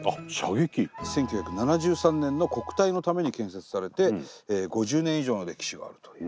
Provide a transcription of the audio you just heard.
１９７３年の国体のために建設されて５０年以上の歴史があるという。